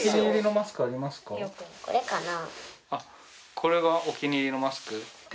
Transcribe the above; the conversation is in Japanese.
これがお気に入りのマスク？